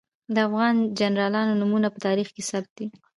د افغان جنرالانو نومونه په تاریخ کې ثبت دي.